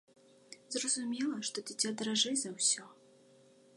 Зразумела, што дзіця даражэй за ўсё.